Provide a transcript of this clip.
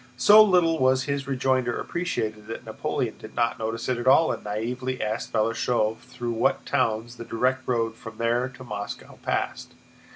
So little was his rejoinder appreciated that Napoleon did not notice it at all and naïvely asked Balashëv through what towns the direct road from there to Moscow passed.